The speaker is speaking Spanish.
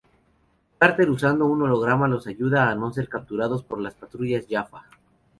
Carter usando un holograma los ayuda a no ser capturados por las patrullas Jaffa.